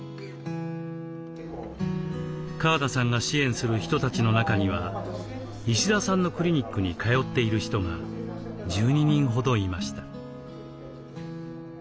川田さんが支援する人たちの中には西澤さんのクリニックに通っている人が１２人ほどいました。